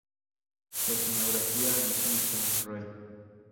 Escenografía: Vincenzo Re.